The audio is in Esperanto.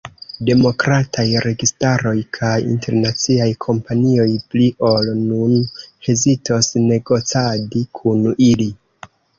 Demokrataj registaroj kaj internaciaj kompanioj pli ol nun hezitos, negocadi kun ili.